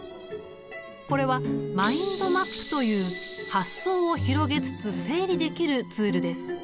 これはマインドマップという発想を広げつつ整理できるツールです。